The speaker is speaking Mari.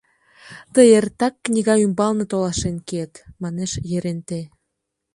— Тый эртак книга ӱмбалне толашен киет, — манеш Еренте.